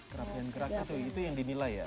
kerapihan gerak itu yang dinilai ya